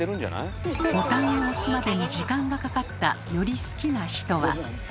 ボタンを押すまでに時間がかかったより好きな人は？